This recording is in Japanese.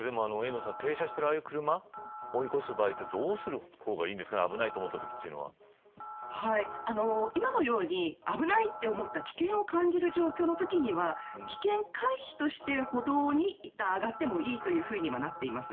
停車しているああいう車を追い越す場合は今のように危ないと思ったり危険を感じる状況のときには危険回避として、歩道に一度上がってもいいとはなっています。